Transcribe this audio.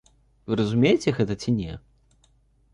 Вы разумееце гэта ці не?